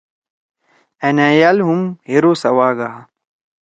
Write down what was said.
أ نھأجال ہُم ہیرو سواگا۔